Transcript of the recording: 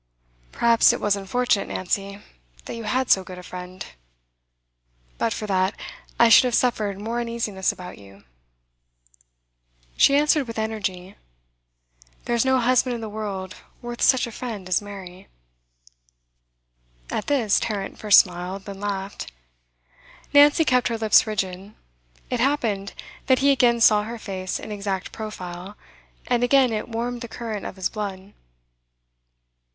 'Perhaps it was unfortunate, Nancy, that you had so good a friend. But for that, I should have suffered more uneasiness about you.' She answered with energy: 'There is no husband in the world worth such a friend as Mary.' At this Tarrant first smiled, then laughed. Nancy kept her lips rigid. It happened that he again saw her face in exact profile, and again it warmed the current of his blood.